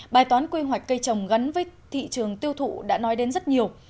bài toán quy hoạch cây trồng gắn với thị trường tiêu thụ đã nói đến rất nhiều